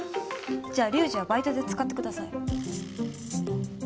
じゃあ龍二はバイトで使ってください。